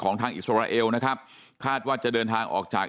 ของทางอิสราเอลคาดว่าจะเดินทางออกจาก